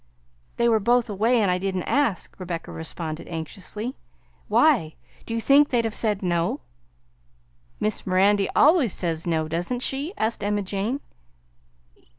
"They were both away and I didn't ask," Rebecca responded anxiously. "Why? Do you think they'd have said no?" "Miss Mirandy always says no, doesn't she?" asked Emma Jane.